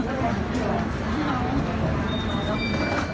ไม่ได้ไม่ได้